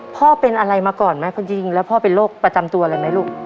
พ่อเป็นอะไรมาก่อนไหมความจริงแล้วพ่อเป็นโรคประจำตัวอะไรไหมลูก